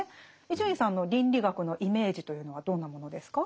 伊集院さんの倫理学のイメージというのはどんなものですか？